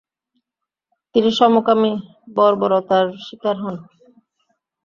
তিনি সমকামী বর্বরতার শিকার হন।